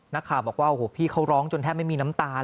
นักข่าวบอกว่าโอ้โหพี่เขาร้องจนแทบไม่มีน้ำตาล